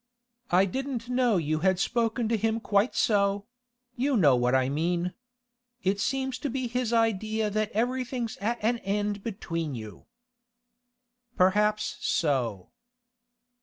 I didn't know you had spoken to him quite so—you know what I mean. It seems to be his idea that everything's at an end between you.' 'Perhaps so.